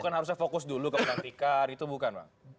bukan harusnya fokus dulu ke pelantikan itu bukan bang